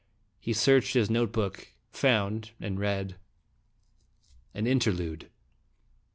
He searched his note book, found, and read : AN INTERLUDE.